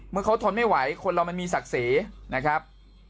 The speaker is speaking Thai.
เมื่อเขาทนไม่ไหวคนเรามันมีศักดิ์ศรีนะครับ